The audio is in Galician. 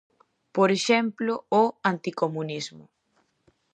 Por exemplo: ó "anticomunismo".